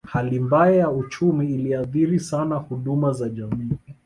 Hali mbaya ya uchumi iliathiri sana huduma za jamii